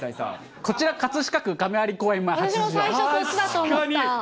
こちら葛飾区亀有公園